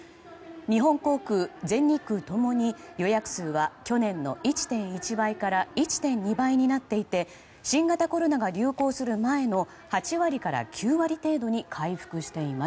日本航空、全日空共に予約数は去年の１．１倍から１．２倍になっていて新型コロナが流行する前の８割から９割程度に回復しています。